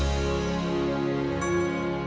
aku mau ke sana